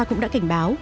cũng đã cảnh báo